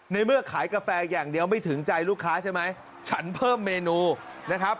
ในเมื่อขายกาแฟอย่างเดียวไม่ถึงใจลูกค้าใช่ไหมฉันเพิ่มเมนูนะครับ